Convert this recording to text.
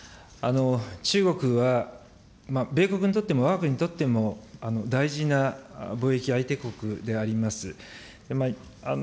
中国は米国にとってもわが国にとっても大事な貿易相手国であります。